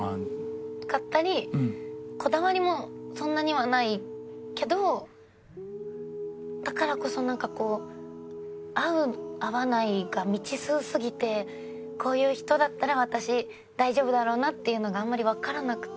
こだわりもそんなにはないけどだからこそなんかこう合う合わないが未知数すぎてこういう人だったら私大丈夫だろうなっていうのがあんまりわからなくて。